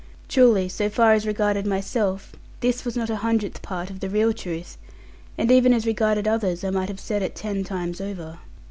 Of course, so far as regarded myself, this was not a hundredth part of the real truth; and even as regarded others, I might have said it ten times over.